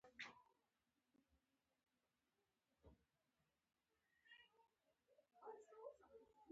نجونې به تر هغه وخته پورې روغتیايي لارښوونې زده کوي.